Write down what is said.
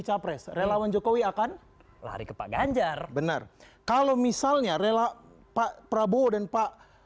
capres relawan jokowi akan lari ke pak ganjar bener kalau misalnya rela pak prabowo dan pak